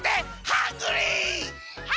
ハングリー！